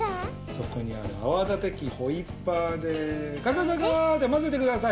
そこにあるあわだてきホイッパーでガガガガーってまぜてください。